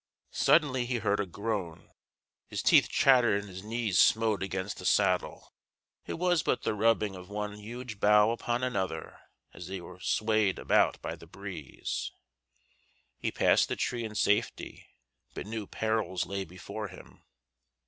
Suddenly he heard a groan: his teeth chattered and his knees smote against the saddle; it was but the rubbing of one huge bough upon another as they were swayed about by the breeze. He passed the tree in safety, but new perils lay before him.